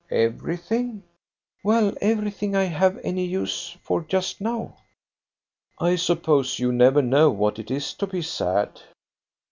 "Everything?" "Well, everything I have any use for just now." "I suppose you never know what it is to be sad?"